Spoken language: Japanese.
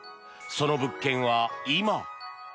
その物件は今。